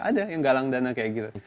ada yang galang dana kayak gitu